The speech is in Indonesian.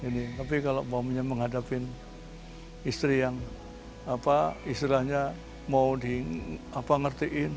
tapi kalau maunya menghadapi istri yang istilahnya mau di ngertiin